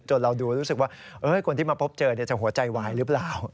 เราดูรู้สึกว่าคนที่มาพบเจอจะหัวใจวายหรือเปล่า